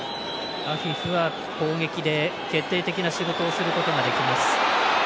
アフィフは攻撃で決定的な仕事をすることができます。